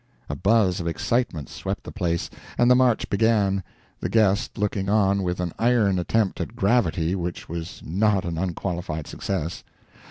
A buzz of excitement swept the place, and the march began, the guest looking on with an iron attempt at gravity which was not an unqualified success.